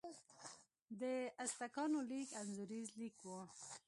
د ازتکانو لیک انځوریز لیک و.